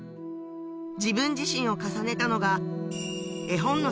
自分自身を重ねたのが絵本の